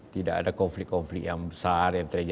tidak ada konflik konflik yang besar yang terjadi